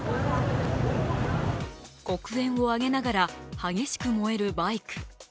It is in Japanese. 黒煙を上げながら激しく燃えるバイク。